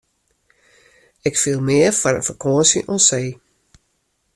Ik fiel mear foar in fakânsje oan see.